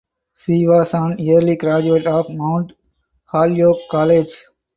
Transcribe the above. She was an early graduate of Mount Holyoke College.